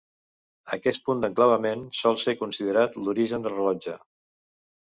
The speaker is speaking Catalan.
Aquest punt d'enclavament sol ser considerat l'origen del rellotge.